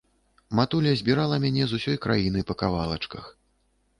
Матуля збірала мяне з усёй краіны па кавалачках.